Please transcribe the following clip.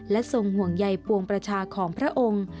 ทรงห่วงใยปวงประชาของพระองค์